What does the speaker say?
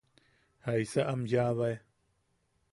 ¿Jaisa am yaʼabae?